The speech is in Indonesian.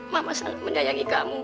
mama sangat menyayangi kamu